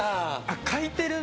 書いてるな。